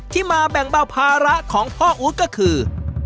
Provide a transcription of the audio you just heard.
ที่มาแบ่งเบาภาระของพ่ออู๊ดก็คือ